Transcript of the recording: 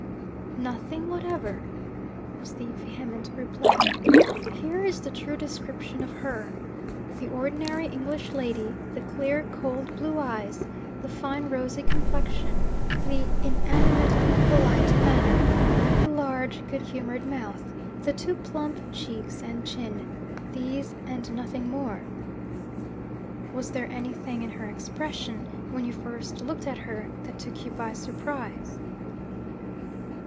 'Nothing whatever!' was the vehement reply. 'Here is the true description of her: The ordinary English lady; the clear cold blue eyes, the fine rosy complexion, the inanimately polite manner, the large good humoured mouth, the too plump cheeks and chin: these, and nothing more.' 'Was there anything in her expression, when you first looked at her, that took you by surprise?'